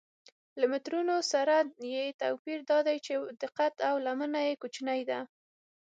له مترونو سره یې توپیر دا دی چې دقت او لمنه یې کوچنۍ ده.